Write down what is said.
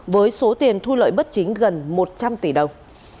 với số tiền thu lợi bất chính gần một trăm linh tỷ đồng